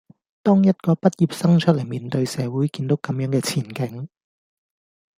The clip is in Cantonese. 當一個畢業生出黎面對社會見到咁樣嘅前景